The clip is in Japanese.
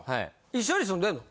一緒に住んでんの？